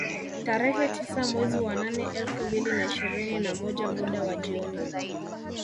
Tarehe tisa mwezi wa nane elfu mbili na ishirini na moja muda wa jioni